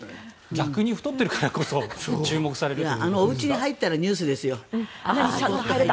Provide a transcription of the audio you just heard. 逆に太っているから注目されるという。